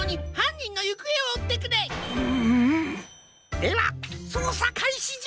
ではそうさかいしじゃ！